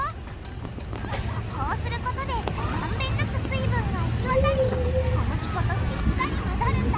こうすることでまんべんなく水分が行き渡り小麦粉としっかりまざるんだ